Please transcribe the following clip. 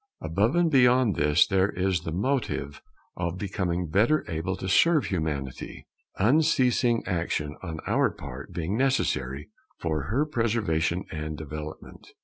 Above and beyond this there is the motive of becoming better able to serve Humanity; unceasing action on our part being necessary for her preservation and development.